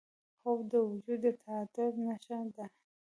خوب د وجود د تعادل نښه ده